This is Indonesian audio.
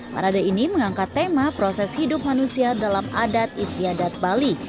parade ini mengangkat tema proses hidup manusia dalam adat istiadat bali